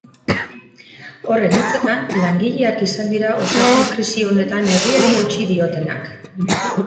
Horren hitzetan, langileak izan dira osasun-krisi honetan herriari eutsi diotenak.